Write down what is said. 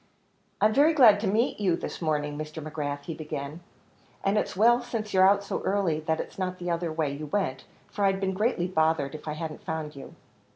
"I'm very glad to meet you this morning, Mr. McGrath," he began, "and it's well since you're out so early, that it's not the other way you went, for I'd been greatly bothered if I hadn't found you."